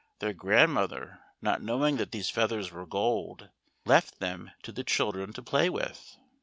Their grand mother, not knowing that these feathers were gold, left them to the children to play with.